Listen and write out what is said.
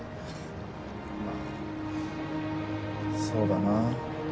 まあそうだな。